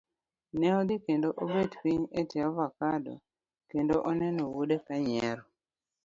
Ne odhi kendo obet piny etie avacado kendo oneno wuode ka nyiero.